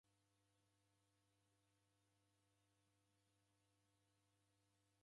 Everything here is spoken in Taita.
Oshinika kuw'ona mruna ukineng'ena ndiw'enyi.